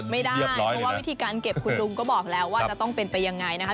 ไม่ได้เพราะว่าวิธีการเก็บคุณลุงก็บอกแล้วว่าจะต้องเป็นไปยังไงนะคะ